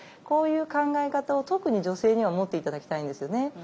こういう考え方を特に女性には持って頂きたいんですよね。